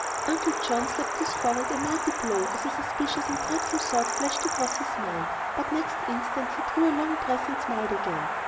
Uncle John slapped his forehead a mighty blow as a suspicious and dreadful thought flashed across his mind. But next instant he drew a long breath and smiled again.